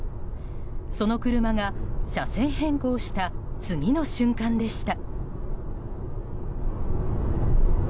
その車が車線変更した次の瞬間でした。